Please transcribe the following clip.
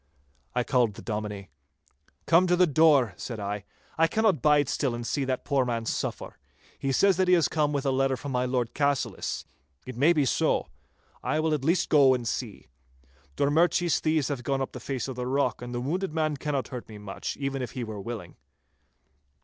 I called the Dominie. 'Come to the door,' said I. 'I cannot bide still and see that poor man suffer. He says that he has come with a letter from my Lord Cassillis. It may be so. I will at least go and see. Drummurchie's thieves have gone up the face of the rock, and the wounded man cannot hurt me much, even if he were willing.